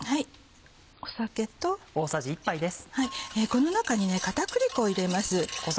この中に片栗粉を入れます。